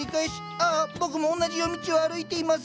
ああ僕も同じ夜道を歩いています。